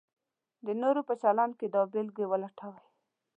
د نورو په چلند کې دا بېلګې ولټوئ: